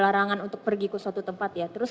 larangan untuk pergi ke suatu tempat ya terus